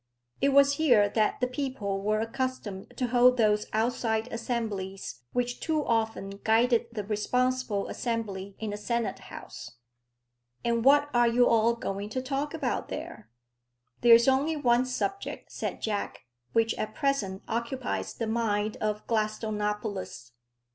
It was here that the people were accustomed to hold those outside assemblies which too often guided the responsible Assembly in the Senate house. "And what are you all going to talk about there?" "There is only one subject," said Jack, "which at present occupies the mind of Gladstonopolis.